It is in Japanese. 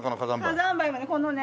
火山灰はこのね